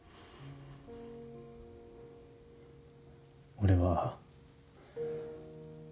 俺は。